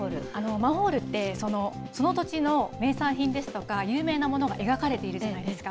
マンホールってその土地の名産品ですとか有名なものが描かれてるじゃないですか。